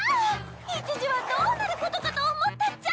一時はどうなることかと思ったっちゃ！